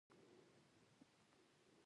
خاصو او عامو د راتلو لارې بېلې وې.